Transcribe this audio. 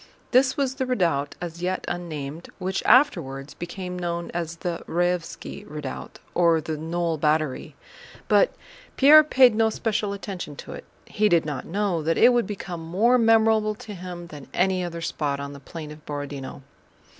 This was the redoubt, as yet unnamed, which afterwards became known as the Raévski Redoubt, or the Knoll Battery, but Pierre paid no special attention to it. He did not know that it would become more memorable to him than any other spot on the plain of Borodinó.